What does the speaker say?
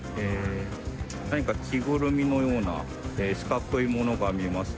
何か着ぐるみのような四角いものが見えます。